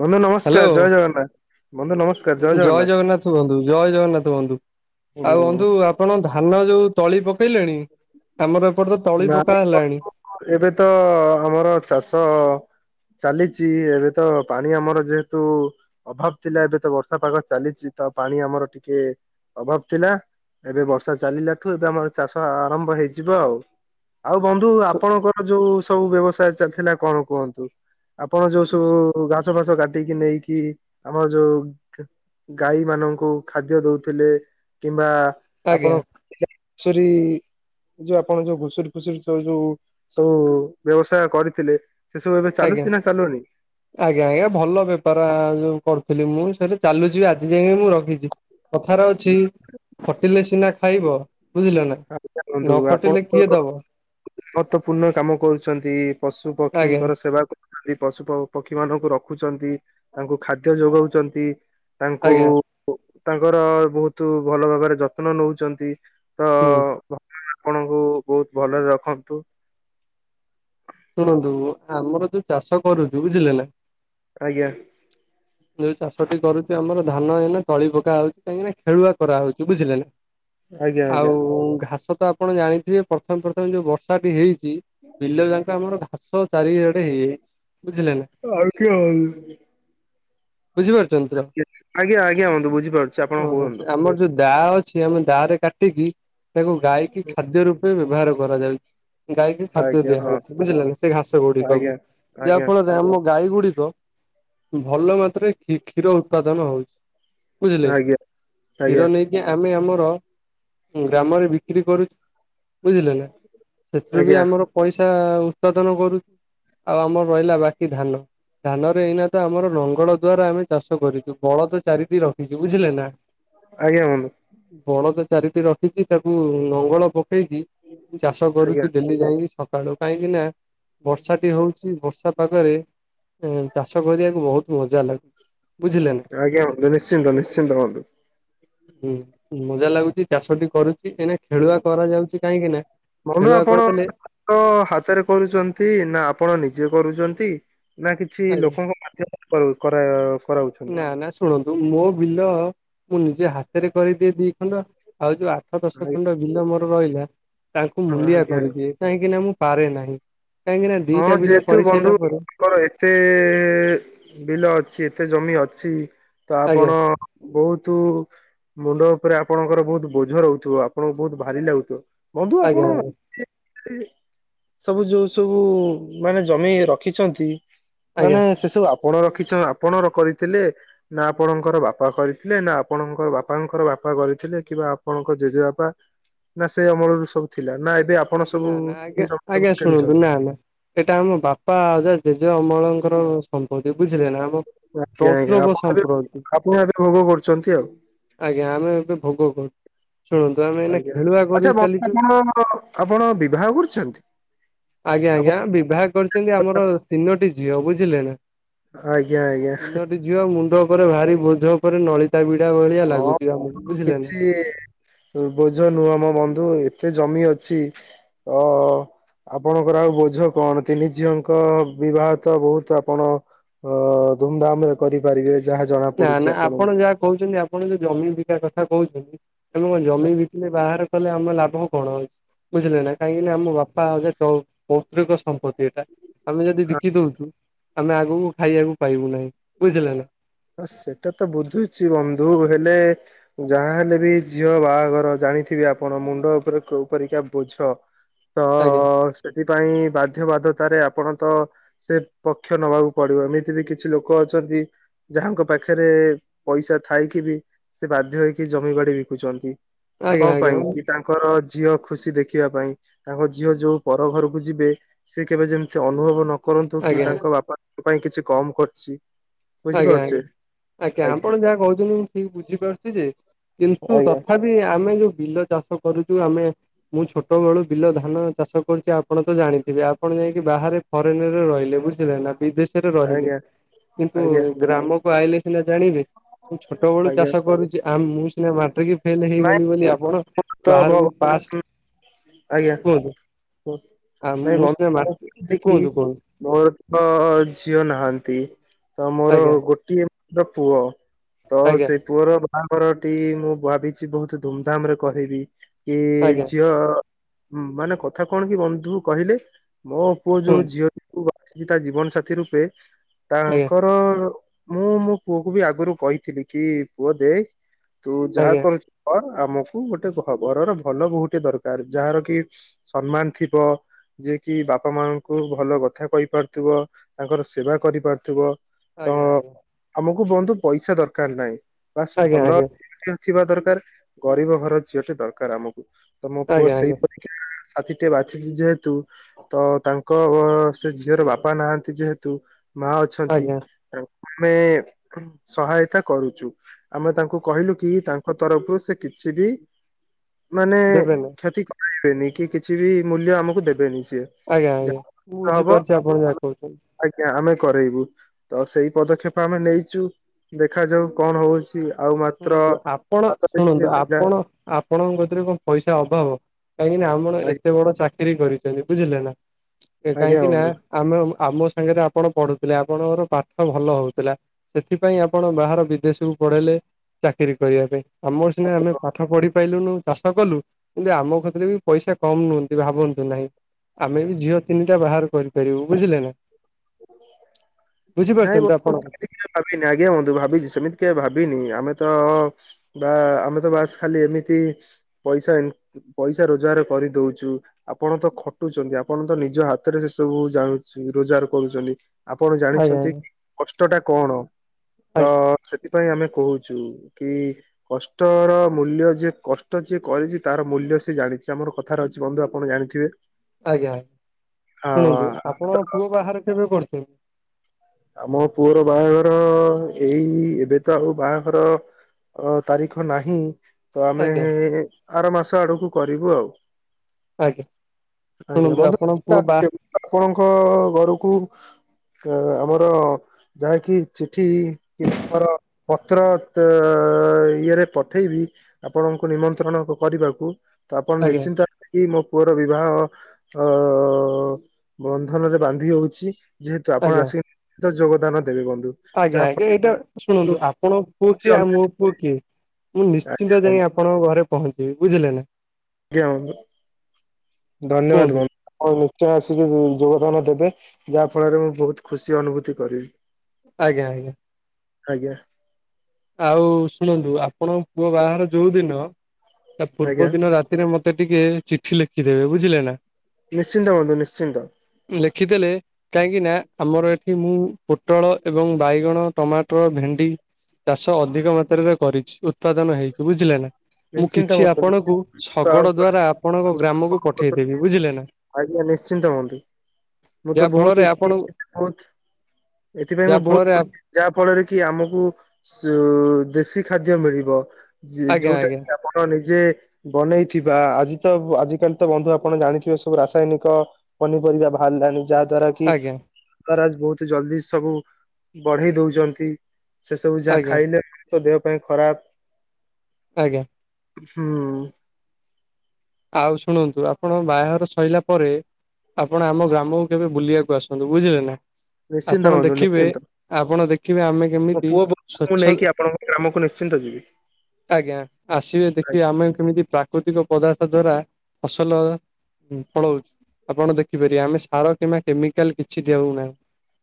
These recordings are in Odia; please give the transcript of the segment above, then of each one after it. ବନ୍ଧୁ ନମସ୍କାର ହ୍ୟାଲୋ ଜୟ ଜଗନ୍ନାଥ। ବନ୍ଧୁ ନମସ୍କାର ଜୟ ଜଗନ୍ନାଥ ବନ୍ଧୁ ଜୟ ଜଗନ୍ନାଥ ବନ୍ଧୁ। ଆଉ ହୁଁ ବନ୍ଧୁ ଆପଣ ଧାନ ଯୋଉ ତଳି ପକେଇଲେଣି ତମର ଏପଟ ତ ତଳି ନା ପକା ହେଲାଣି। ଏବେ ତ ଆମର ଚାଷ ଚାଲିଛି ଏବେ ତ ପାଣି ଆମର ଯେହେତୁ ଅଭାବ ଥିଲା ଏବେ ତ ବର୍ଷା ପାଗ ଚାଲିଚି ତ ପାଣି ଆମର ଟିକେ ଅଭାବ ଥିଲା। ଏବେ ବର୍ଷା ଚାଲିଲାଠୁ ଏବେ ଆମର ଚାଷ ଆରମ୍ଭ ହେଇଯିବ ଆଉ। ଆଉ ବନ୍ଧୁ ଆପଣଙ୍କର ଯୋଉ ସବୁ ବ୍ୟବସାୟ ଚାଲିଥିଲା କଣ କୁହନ୍ତୁ। ଆପଣ ଯୋଉ ସବୁ ଘାସ ଫାସ କାଟିକି ନେଇକି ଆମର ଯୋଉ ଗାଈ ମାନଙ୍କୁ ଖାଦ୍ୟ ଦଉଥିଲେ। କିମ୍ବା ଆଜ୍ଞା ଆପଣ [unintelligible] ଯୋଉ ଆପଣ ଯୋଉ ଘୁ ଘୁସୁରୀ ଫୁସିରି ସବୁ ଯୋଉ ସବୁ ବ୍ୟବସାୟ କରିଥିଲେ ସେ ସବୁ ଏବେ ଆଜ୍ଞା। ଚାଲୁଚି ନା ଚାଲୁନି। ଆଜ୍ଞା ଆଜ୍ଞା ଭଲ ବେପାର ଯୋଉ କରୁଥିଲି ମୁଁ ସେଠା ଚାଲୁଛି ଆଜି ଯାଇକି ମୁଁ ରଖିଚି। କଥା ରେ ଅଛି ଖଟିଲେ ସିନା ଖାଇବ ବୁଝିଲ ନା। ନ ଖଟିଲେ କିଏ ଦବ? ମହତ ପୂର୍ଣ୍ଣ କାମ କରୁଚନ୍ତି ପଶୁ ଆଜ୍ଞା ପକ୍ଷୀଙ୍କର ସେବା କ ଖାଲି ପଶୁ ପକ୍ଷୀ ମାନଙ୍କୁ ରଖୁଛନ୍ତି ତାଙ୍କୁ ଖାଦ୍ୟ ଯୋଗଉଚନ୍ତି। ତାଙ୍କୁ ଆଜ୍ଞା ତାଙ୍କର ବହୁତୁ ଭଲ ଭାବରେ ଯତ୍ନ ନଉଚନ୍ତି। ହୁଁ। ଆପଣଙ୍କୁ ବହୁତ ଭଲରେ ରଖନ୍ତୁ। ଶୁଣନ୍ତୁ ଆମର ଯୋଉ ଚାଷ କରୁଚୁ ବୁଝିଲେ ନା। ଆଜ୍ଞା। [unintelligible] ଯୋଉ ଚାଷଟି କରୁଚି ଆମର ଧାନ ହେଲେ ତଳି ପକା ହଉଚି କାହିଁକିନା ଖେଳୁଆ କରାହଉଚି ବୁଝିଲେ ନା। ଆଜ୍ଞା ଆଜ୍ଞା। ଆଉ ଘାସ ତ ଆପଣ ଜାଣିଥିବେ ପ୍ରଥମେ ପ୍ରଥମେ ଯୋଉ ବର୍ଷାଟି ହେଇଚି। ହୁଁ। ବିଲ ଯାଙ୍କ ଆମର ଘାସ ଚାରିଆଡେ ବୁଝିଲେ ନା। ଆଉ କିଏ ହଲ ଧରିବ। ବୁଝିପାରୁଛନ୍ତି ତ ଆଜ୍ଞା ଆଜ୍ଞା ବନ୍ଧୁ ବୁଝିପାରୁଛି ଆପଣ କୁହନ୍ତୁ ଆମର ଯୋଉ ଦା ଅଛି। କିଛି ଆମେ ଦା ରେ କାଟିକି ତାକୁ ଗଈକି ଖାଦ୍ୟ ରୂପେ ବ୍ୟବହାର କରାଯାଉଛି। ଗାଈକୁ ଖାଦ୍ୟ ଆଜ୍ଞା ଦିଆ ହ। ହଁ। ବୁଝିଲେ ନା ସେ ଘାସ ଆଜ୍ଞା ଗୁଡିକକୁ ଯାହା ଆଜ୍ଞା ଫଳରେ ଆମ ଗାଈ ଗୁଡିକ। ଭଲ ମାତ୍ରାରେ କ୍ଷୀ କ୍ଷୀର ଉତ୍ପାଦନ ହଉ ବୁଝିଲେ ଆଜ୍ଞା କ୍ଷୀର ନେଇ ଆଜ୍ଞା ଆମେ ଆମର ଗ୍ରାମରେ ବିକ୍ରି କରୁ ବୁଝିଲେ ନା ସେଥିରୁ ବି ଆଜ୍ଞା ଆମର ପଇସା ଉତ୍ପାଦନ କରୁ। ଆଉ ଆମର ରହିଲା ବାକି ଧାନ। ଧାନରେ ଏଇନା ତ ଆମର ଲଙ୍ଗଳ ଦ୍ଵାରା ଆମେ ଚାଷ କରିଛୁ ବଳଦ ଚାରିଦି ରଖିଛୁ ବୁଝିଲେ ନା। ଆଜ୍ଞା ବନ୍ଧୁ। ବଳଦ ଚାରିଟି ରଖିଛି ତାକୁ ଲଙ୍ଗଳ ପକେଇକି ଚାଷ ଆଜ୍ଞା କରୁଚି ଡେଲି। ଯାଇଁକି ସକାଳୁ କାହିଁକିନା ବର୍ଷା ଟି ହଉ ବର୍ଷା ପାଗରେ ଏଁ ଚାଷ କରିବାକୁ ବହୁତ ମଜା ଲା ଆଜ୍ଞା ନିଶ୍ଚିନ୍ତ ନିଶ୍ଚିନ୍ତ ହୁଅନ୍ତୁ। ହୁଁ ମଜା ଲାଗୁଚି ଚାଷଟି କରୁ କି ଏଇନେ ଖେଳୁଆ କରାଯାଉଛି କାହିଁକି ନା ଖେଳୁଆ କରିଦେଲେ। କ ହାତରେ କରୁଛନ୍ତି ନା ଆପଣ ନିଜେ କରୁଚନ୍ତି ନା କିଛି ଆଜ୍ଞା ଲୋକଙ୍କ ମାଧ୍ୟମ କ କରା କରାଉଛନ୍ତି। ନା ନା ଶୁଣନ୍ତୁ ମୋ ବିଲ ମୁଁ ନିଜେ ହାତରେ କରିଦିଏ ଦି ଖଣ୍ଡ। ଆଉ ଯୋଉ ଆଠ ଦଶ ଆଜ୍ଞା ଖଣ୍ଡ ବିଲ ମୋର ରହିଲା ତାଙ୍କୁ ହଁ ମୁଲିଆ ଆଜ୍ଞା କରିଦିଏ। କାହିଁକି ନା ମୁଁ ପାରେ ନାହିଁ କାହିଁକି ନା ଦିଟା ବିଲ କରିସାରିଲା ପରେ। ମର ଏତେ ବିଲ ଅଛି ଏତେ ଜମି ଅଛି ତ ଆଜ୍ଞା ଆପଣ। ବହୁତୁ ମୁଣ୍ଡ ଉପରେ ଆପଣଙ୍କର ବହୁତୁ ବୋଝ ରହୁଥିବ ଆପଣଙ୍କୁ ବହୁତ ଭାରି ଲାଗୁଥିବ। ବନ୍ଧୁ ଆଜ୍ଞା ଆପଣ ଆଜ୍ଞା [inaudible] ସବୁ ଯୋଉ ସୁ ସବୁ ମାନେ ଜମି ରଖିଛନ୍ତି ଆଜ୍ଞା ମାନେ ସେ ସବୁ ଆପଣ ରଖିଛ ଆପଣ କରିଥିଲେ। ନା ଆପଣଙ୍କର ବାପା କରିଥିଲେ ନା ଆପଣଙ୍କର ବାପାଙ୍କର ବାପା କରିଥିଲେ କିମ୍ବା ଆପଣଙ୍କ ଜେଜେବାପା। ନା ସେ ଅମଳରୁ ସବୁ ଥିଲା ନା ଏବେ ଆ ନା ନା ଆଜ୍ଞା ଆଜ୍ଞା ଶୁଣନ୍ତୁ ନା ନା। ଏଟା ଆମ ବାପା ଅଜା ଜେଜେ ଅମଳଙ୍କର ସମ୍ପତ୍ତି ବୁଝିଲେ ନା ଆମ। ଆଜ୍ଞା ଆଜ୍ଞା ପୈତୃକ ଆପଣ ଏ ସମ୍ପତ୍ତି ଆପଣ ଏବେ ଭୋଗ କରୁଛନ୍ତି ଆଉ। ଆଜ୍ଞା ଆମେ ଏବେ ଭୋଗ କରୁଛୁ ଶୁଣନ୍ତୁ ଆମେ ଏଇନେ ଆଜ୍ଞା ଖେଳୁଆ ଆଚ୍ଛା କରି ବନ୍ଧୁ, ଚାଲିଛୁ। ଆପଣ ଆପଣ ବିବାହ କରୁଛନ୍ତି। ଆଜ୍ଞା ଆଜ୍ଞା ଆପଣ ବିବାହ କରିଚନ୍ତି ଆମର ତିନୋଟି ଝିଅ ବୁଝିଲେ ନା। ଆଜ୍ଞା- ଆଜ୍ଞା। ତିନୋଟି ଝିଅ ମୁଣ୍ଡ ଉପରେ ଭାରି ବୋଝ ଉପରେ ନଳିତା ବିଡା ଭଳିଆ ଲାଗୁଚି ଆମକୁ ବୁଝିଲେ ନା। କିଏ? ବୋଝ ନୁହଁ ମୋ ବନ୍ଧୁ ଏତେ ଜମି ଅଛି ଅ ଆପଣଙ୍କର ଆଉ ବୋଝ କଣ ତିନି ଝିଅଙ୍କ ବିବାହ ତ ବହୁତ୍ ଆପଣ ଅ -ଧୁମ୍ ଧାମ୍ ରେ କରିପାରିବେ ଯାହା ଜଣା ନା ନା ପଡୁଚି ଆପଣଙ୍କୁ ଆପଣ ଯାହା କହୁଚନ୍ତି ଆପ୍ ଆପଣ ଯଉ ଜମି ବିକା କଥା କହୁଚନ୍ତି ତେଣୁ ଜମି ବିକିଲେ ବାହାଘର କଲେ ଆମ ଲାଭ କଣ। ବୁଝିଲେ ନା କାହିଁକି ନା ଆମ ବାପା, ଅଜା ଚ-ପୌତ୍ରିକ ସମ୍ପତ୍ତି ଏଟା। ଆମେ ଯଦି ବିକି ଦଉଚୁ ଆମେ ଆଗକୁ ଖାଇବାକୁ ପାଇବୁ ନାହିଁ ବୁଝିଲେ ନା। ହଁ ସେଟା ତ ବୁଝୁଚି ବନ୍ଧୁ ହେଲେ ଯାହା ହେଲେ ବି ଝିଅ ବାହାଘର ଜାଣିଥିବେ ଆପଣ ମୁଣ୍ଡ ଉପରେ କଉ ପରିକା ବୋଝ। [inaudible] ତ-ସେଥିପାଇଁ ବାଧ୍ୟ ବାଧ୍ୟତାରେ ଆପଣ ତ ସେ ପକ୍ଷ ନବାକୁ ପଡ଼ିବ ଏମିତି ବି କିଛି ଲୋକ ଅଛ ଯଦି ଯାହାଙ୍କ ପାଖରେ ପଇସା ଥାଇକି ବି ସେ ବାଧ୍ୟ ହେଇକି ଜମି ବାଡ଼ି ବିକୁଚନ୍ତି ଆଜ୍ଞା କଣ ଆଜ୍ଞା ପାଇଁ କି ତାଙ୍କ ତାଙ୍କର ଝିଅ ଖୁସି ଦେଖିବା ପାଇଁ ତାଙ୍କ ଝିଅ ଯଉ ପର ଘରକୁ ଯିବେ ସେ କେବେ ଯେମିତି ଅନୁଭବ ନ କରନ୍ତୁ କି ଆଜ୍ଞା ତାଙ୍କ ବାପାଙ୍କ ପାଇଁ କିଛି କମ୍ କରିଚି। ଆଜ୍ଞା- ଆଜ୍ଞା-ଆଜ୍ଞା ଆଜ୍ଞା ଆପଣ ଯାହା କହୁଚନ୍ତି ମୁଁ ଠିକ୍ ବୁଝିପାରୁଚି ଯେ କିନ୍ତୁ ଆଜ୍ଞା ତଥାପି ବି ଆମେ ଯଉ ବିଲ ଚାଷ କରୁଚୁ ଆମେ ମୁଁ ଛୋଟବେଳୁ ବିଲ ଧାନ ଚାଷ କରୁଚି ଆପଣ ତ ଜାଣିଥିବେ ଆପଣ ଯାଇକି ବାହାରେ ଫରେନ୍ ରେ ରହିଲେ ବୁଝିଲେ ନା ବିଦେଶରେ ରହିଲେ। ଆଜ୍ଞା ତୁ ଆଜ୍ଞା ଗ୍ରାମକୁ ଆଇଲେ ସିନା ଜାଣିବେ ମୁଁ ଛୋଟ ବେଳୁ ଆଜ୍ଞା ଚାଷ କରୁଚି ଆଁ- ମୁଁ ସିନା ମାଟ୍ରିକି ଫେଲ୍ ନାଇଁ ହେଇଗଲି ବୋଲି ଆପଣ ତ ଭଗ ବାହାରକୁ ପାସ୍ ଆଜ୍ଞା କୁହନ୍ତୁ ହୁଁ। ନାଇଁ ଆ-ମୁଁ ବନ୍ଧୁ ସିନା ମା କହୁଥିଲି କି -କୁହନ୍ତୁ - କୁହନ୍ତୁ ମୋର ତ ଝିଅ ନାହାନ୍ତି ତ ମୋର ଆଜ୍ଞା ଗୋଟିଏ ତ ପୁଅ ତ ଆଜ୍ଞା ସେଇ ପୁଅର ବାହାଘରଟି ମୁଁ ଭାବିଚି ବହୁତ୍ ଧୁମଧାମ୍ ରେ କହିବି କି ଆଜ୍ଞା ଝିଅ ହୁଁ ମାନେ କଥା କଣ କି ବନ୍ଧୁ କହିଲେ ମୋ ପୁଅ ଯଉ କୁହନ୍ତୁ ଝିଅ ବାଛିଚି ତା ଜୀବନ ସାଥୀ ରୂପେ ଆଜ୍ଞା ତାଙ୍କର ମୁଁ ମୋ ପୁଅକୁ ବି ଆଗୁରୁ କହିଥିଲି କି ପୁଅ ଦେଖ୍ ତୁ ଯାହା ଆଜ୍ଞା କରୁଚୁ କର୍ ଆମକୁ ଗୋଟେ ଭ-ଘରର ଭଲ ବହୂ ଟିଏ ଥିବ ଦରକାର୍ ଯାହାର କି ସମ୍ମାନ ଥିବ ଯିଏ କି ବାପା ମାଙ୍କୁ ଭଲ କଥା କହି ପାରୁଥିବ ତାଙ୍କର ସେବା କରିପାରୁଥିବ ତ ଆଜ୍ଞା- ଆଜ୍ଞା। ଆମକୁ ବନ୍ଧୁ ପଇସା ଦରକାର ନାହିଁ ବାସ୍ ଆଜ୍ଞା ଭଲ ଆଜ୍ଞା ଝିଅ ଟିଏ ଥିବା ଦରକାର୍ ଗରିବ ଘର ଝିଅଟେ ଦରକାର୍ ଆମକୁ ତ ମୋ ପୁଅ ଆଜ୍ଞା ଆଜ୍ଞା ସେଇ ଆଜ୍ଞା ସାଥୀଟେ ବାଛିଚି ଯେହେତୁ ତ ତାଙ୍କ ଘ- ସେ ଝିଅର ବାପା ନାହାନ୍ତି ଯେହେତୁ ମା ଅଛନ୍ତି ଆଜ୍ଞା ଆମେ ସହାୟତା କରୁଚୁ। ଆମେ ତାଙ୍କୁ କହିଲୁ କି ତାଙ୍କ ତରଫ୍ ରୁ ସେ କିଛି ବି ମାନେ ଦେବେନି କ୍ଷତି କରାଇବେନି କି କିଛି ବି ମୂଲ୍ୟ ଆମକୁ ଦେବେନି ସିଏ। ଆଜ୍ଞା-ଆଜ୍ଞା ଯାହା ମୁଁ ହବ ବୁଝିପାରୁଚି ଆପଣ ଯାହା କହୁଚନ୍ତି। ଆଜ୍ଞା ଆମେ କରେଇବୁ ତ ସେଇ ପଦକ୍ଷେପ ଆମେ ନେଇଚୁ ଦେଖାଯାଉ କଣ ହଉଚି। ଶୁଣନ୍ତୁ ଆପଣ ଶୁଣନ୍ତୁ ରହିଲା ଆପଣ ଆପ ଆପଣଙ୍କ କତିରେ କଣ ପଇସା ଅଭାବ କାହିଁକି ନା ଆପଣ ଆଜ୍ଞା ଏତେ ବଡ଼ ଚାକ ଚାକିରୀ କରିଛନ୍ତି ବୁଝିଲେ ନା ଆଜ୍ଞା କାହିଁକି ନା ବନ୍ଧୁ। ଆମେ ଆମ ଆମ ସାଙ୍ଗରେ ଆପଣ ପଢୁଥିଲେ ଆପଣଙ୍କର ପାଠ ଭଲ ହଉଥିଲା। ସେଥିପାଇଁ ଆପଣ ବାହାର ବିଦେଶକୁ ପଳେଇଲେ ଚାକିରୀ କରିବା ପାଇଁ ଆମର ସିନା ଆମେ ପାଠ ପଢ଼ି ପାଇଲୁନୁ ଚାଷ କଲୁ। କିନ୍ତୁ ଆମ କତିରେ ବି ପଇସା କମ ନୁହନ୍ତି ଭାବନ୍ତୁ ନାହିଁ। ଆମେ ବି ଝିଅ ତିନିଟା ବାହାଘର କରିପାରିବୁ ବୁଝିଲେ ନା। ନାଇଁ ବ ବୁଝିପାରୁଛନ୍ତି ଆପଣ [unintelligible] ଭାବିନି ଆଜ୍ଞା ବନ୍ଧୁ ଭାବିଛି ସେମିତି କେବେ ଭାବିନି ଆମେ ତ ବା ଆମେ ତ ବାସ୍ ଖାଲି ଏମିତି ପଇସା ଇନ୍ ପଇସା ରୋଜଗାର କରିଦଉଛୁ। ଆପଣ ତ ଖଟୁଛନ୍ତି ଆପଣ ତ ନିଜ ହାତରେ ସେ ସବୁ ଜାଣୁଚି ରୋଜଗାର କରୁଛନ୍ତି ଆପଣ ଆଜ୍ଞା ଜାଣିଛନ୍ତି ଆଜ୍ଞା କଷ୍ଟ ଟା କଣ ତ ଆଜ୍ଞା ସେଥି ପାଇଁ ଆମେ କହୁଛୁ କି କଷ୍ଟର ମୂଲ୍ୟ ଯିଏ କଷ୍ଟ ଯିଏ କରିଛି ତାର ମୂଲ୍ୟ ସେ ଜାଣିଛି ଆମର କ କଥାରେ ଅଛି ବନ୍ଧୁ ଆପଣ ଜାଣିଥିବେ ଆଜ୍ଞା ଆ କୁହନ୍ତୁ ଆପଣ ପୁଅ ବାହାଘର କେବେ କରଛନ୍ତି? ଆମ ପୁଅର ବାହାଘର ଏଇ ଏବେ ତ ଆଉ ବାହାଘର ଅ ତାରିଖ ନାହିଁ ତ ଆମେ ଆଜ୍ଞା ଆର ମାସ ଆଡକୁ କରିବୁ ଆଉ। ଆଜ୍ଞା ଆଜ୍ଞା ଶୁଣନ୍ତୁ ବନ୍ଧୁ ଆପଣ ପୁଅ ବା [inaudible] ଆପଣଙ୍କ ଘରକୁ କ ଆମର ଯାହାକି ଚିଠି [inaudible] ପତ୍ର ତ ଇଏରେ ପଠେଇବି ଆପଣଙ୍କୁ ନିମନ୍ତ୍ରଣ କରିବାକୁ ତ ଆପଣ ଆଜ୍ଞା ନିଶ୍ଚିନ୍ତ କି ମୋ ପୁଅର ବିବାହ ଅ ବନ୍ଧନରେ ବାନ୍ଧି ହଉ ଚି ଯେହେତୁ ଆପଣ ଆଜ୍ଞା ଆସିକି [inaudible] ଯୋଗଦାନ ଦେବେ ବନ୍ଧୁ। ଆଜ୍ଞା ଯାହା ଆଜ୍ଞା ଏଇଟା ଫଳରେ ଶୁଣନ୍ତୁ ଆପଣଙ୍କ ପୁଅ କିଏ ଆଜ୍ଞା ଆଉ ମୋ ପୁଅ କିଏ? ମୁଁ ନିଶ୍ଚିନ୍ତ ଯାଇଁ ବନ୍ଧୁ ଆପଣଙ୍କ ଘରେ ପହଞ୍ଚିବି ବୁଝିଲେ ନା। ଆଜ୍ଞା ବନ୍ଧୁ ଧନ୍ୟବାଦ କୁହନ୍ତୁ ବନ୍ ଆଉ ନିଶ୍ଚୟ ଆସିକି ଯୋଗଦାନ ଦେବେ ଯାହା ଫଳରେ ମୁଁ ବହୁତ ଖୁସି ଅନୁଭୂତି କରିବି। ଆଜ୍ଞା ଆଜ୍ଞ। ଆଜ୍ଞା। ଆଉ ଶୁଣନ୍ତୁ ଆପଣଙ୍କ ପୁଅ ବାହାଘର ଯୋଉ ଦିନ ତା ଆଜ୍ଞା ପୂର୍ବ ଦିନ ରା ତିରେ ମତେ ଟିକେ ଚିଠି ଲେଖିଦେବେ ବୁଝିଲ ନା। ନିଶ୍ଚିନ୍ତ ବନ୍ଧୁ ନିଶ୍ଚିନ୍ତ। ଲେଖିଦେଲେ କାହିଁକି ନା ଆମର ଏଠି ମୁଁ ପୋଟଳ ଏବଂ ବାଇଗଣ, ଟମାଟର ଭେଣ୍ଡି ଚାଷ ଅଧିକ ମାତ୍ରାରେ କରିଛି ଉତ୍ପାଦନ ହେଇଛି ବୁଝିଲେ ନା। ମୁଁ ନିଶ୍ଚିନ୍ତ କିଛି ବନ୍ଧୁ ଆପଣଙ୍କୁ ନିଶ୍ଚିନ୍ତ ଆଉ ଶଗଡ଼ କଣ? ଦ୍ଵାରା ଆପଣଙ୍କ ଗ୍ରାମକୁ ପଠେଇଦେବି ବୁଝିଲେ ନା। ଆଜ୍ଞା ନିଶ୍ଚିନ୍ତ ବନ୍ଧୁ ମୁଁ ତ ଯାହା ଫଳରେ ବହୁତ ଆପଣ [unintelligible] ବହୁତ୍। ଯାହା ଫଳରେ ଆପ ଯାହା ଫଳରେ କି ଆମକୁ ଶୁ ଦେଶୀ ଖାଦ୍ୟ ମିଳିବ ଯ ଆଜ୍ଞା ଯୋଉଟା ଆଜ୍ଞା କି ଆପଣ ନିଜେ ବନେଇଥିବା ଆଜି ତ ଆଜିକାଲି ତ ବନ୍ଧୁ ଆପଣ ଜାଣିଥିବେ ସବୁ ରାସାୟନିକ ପନିପରିବା ବାହାରିଲାଣି ଯାହା ଦ୍ଵାରା କି ଆଜ୍ଞା ସରକାର ବହୁତ୍ ଜଲଦି ସବୁ ବଢେଇ ଦଉଛନ୍ତି। ସେ ସବୁ ଯାହା ଆଜ୍ଞା ଖାଇଲେ ତ ଦେହ ପାଇଁ ଖରାପ୍। ଆଜ୍ଞା। ହୁଁ। ଆଉ ଶୁଣନ୍ତୁ ଆପଣ ଙ୍କ ବାହାଘର ସଇଲା ପରେ ଆପଣ ଆମ ଗ୍ରାମକୁ କେବେ ବୁଲିବାକୁ ଆସନ୍ତୁ। ବୁଝିଲେ ନା। ନିଶ୍ଚିନ୍ତ ଆପଣ ବନ୍ଧୁ ଦେଖିବେ ନିଶ୍ଚିନ୍ତ। ଆପଣ ଦେଖିବେ ଆମେ ମୋ କେମିତି ପୁଅ ବୋହୂକୁ ମୁଁ ସ୍ଵଚ୍ଛ ନେଇକି ଆପଣଙ୍କ ଗ୍ରାମକୁ ନିଶ୍ଚିନ୍ତ ଯିବି। ଆଜ୍ଞା। ଆସିବେ ଦେଖିବେ ଆଜ୍ଞା ଆମେ କେମିତି ପ୍ରାକୃତିକ ପଦାର୍ଥ ଦ୍ଵାରା ଫସଲ ପଳଉଚୁ। ଆପଣ ଦେଖିପାରିବେ। ଆମେ ସାର କିମ୍ବା କେମିକାଲ୍ କିଛି ଦଉନାହୁଁ।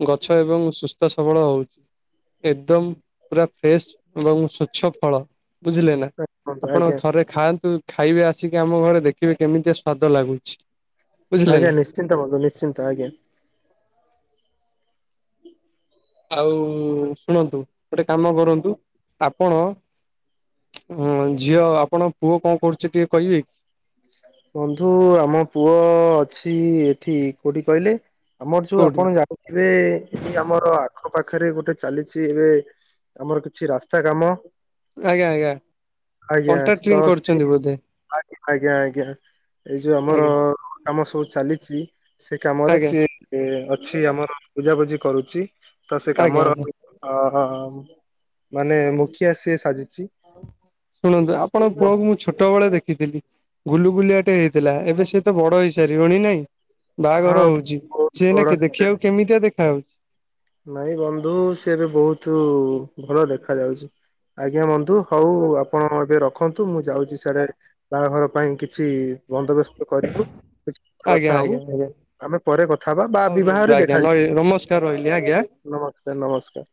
ଗଛ ଏବଂ ସୁସ୍ ସୁସ୍ଥ ସବଳ ହଉଚି। ଏକଦମ୍ ପୁରା ଫ୍ରେଶ୍ ଏବଂ ସ୍ବଚ୍ଛ ଫଳ। ବୁଝିଲେ ନା? ବନ୍ଧୁ ଆପଣ ଆଜ୍ଞା ଥରେ ଖାଆନ୍ତୁ, ଖାଇବେ ଆ ଆସିକି ଆମ ଘରେ ଦେଖିବେ କେମିତିଆ ସ୍ଵାଦ ଲାଗୁଛି। ବୁଝିଲେ ଆଜ୍ଞା ନା। ନିଶ୍ଚିନ୍ତ ଭାବେ ନିଶ୍ଚିନ୍ତ ଆଜ୍ଞା। ଆଉ ଶୁଣନ୍ତୁ ଗୋଟେ କାମ କରନ୍ତୁ ଆପଣ ଉଁ ଝିଅ ଆପଣ ଙ୍କ ପୁଅ କଣ କରୁଚି ଟିକେ କହିବେ। ବନ୍ଧୁ ଆମ ପୁଅ ଅଛି ଏଠି କୋଉଠି କହିଲେ ଆମର ଯୋଉ କୋଉଠି ଆପଣ ଜାଣିଥିବେ ଏଇ ଆମର ଆଖ ପାଖରେ ଗୋଟେ ଚାଲିଛି ଏବେ ଆମର କିଛି ରାସ୍ତା କାମ। ଆଜ୍ଞା ଆଜ୍ଞା ଆଜ୍ଞା କଣ୍ଟ୍ରାକ୍ଟିଂ ତ। କରୁଛନ୍ତି [unintelligible] ବୋଧେ ଆଜ୍ଞା ଆଜ୍ଞା। ଏଇ ଯୋଉ ଆମର ଆଜ୍ଞା। କାମ ସବୁ ଚାଲିଚି ସେ କାମରେ ଆଜ୍ଞା ସିଏ ଅଛି ଆମର ବୁଝାବୁଝି କରୁଚି। ତ ସେ ଆଜ୍ଞା କାମର ଆଜ୍ଞା ଅ ମାନେ ମୁଖିଆ ସିଏ ସାଜିଚି। ଶୁଣନ୍ତୁ ଆପଣଙ୍କ ପୁଅକୁ ମୁଁ ଛୋଟ ବେଳେ ଦେଖିଥିଲି ଗୁଲୁଗୁଲିଆଟେ ହେଇଥିଲା। ଏବେ ସେ ତ ବଡ ହେଇସାରିବଣି ନାଇଁ। ହଁ ବାହାଘର ହଉଚି। ବହୁତ ସିଏ ଏଇନା ବଡ ହେଲାଣି। ଦେଖିବାକୁ କେମିତିଆ ଦେଖା ଯାଉଚି? ନାଇଁ ବନ୍ଧୁ ସିଏ ଏବେ ବହୁତୁ ଭଲ ଦେଖା ଯାଉଚି। ଆଜ୍ଞା ବନ୍ଧୁ ହଉ ଆପଣ ଏବେ ରଖନ୍ତୁ। ମୁଁ ଯାଉଚି ସିଆଡେ ବାହାଘର ପାଇଁ କିଛି ବନ୍ଦୋବ୍ୟସ୍ତ କରିବୁ। କିଛି ଆଜ୍ଞା କଥାବାର୍ତ୍ତା ଆଜ୍ଞା ହବୁ। ଆଜ୍ଞା ଆମେ ପରେ କଥା ହବା, ବା ହଉ ରୁହନ୍ତୁ ବିବାହରେ ଆଜ୍ଞା ଦେଖାଯି ନମସ୍କାର ରହିଲି ଆଜ୍ଞା। ନମସ୍କାର ନମସ୍କାର।